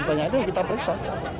sepertinya itu kita periksa